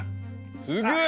すげえ！